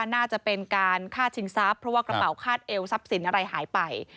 น่าจะเป็นการฆ่าชิงทรัพย์เพราะว่ากระเป๋าคาดเอวทรัพย์สินอะไรหายไป